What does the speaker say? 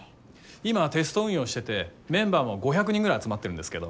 今テスト運用しててメンバーも５００人ぐらい集まってるんですけど。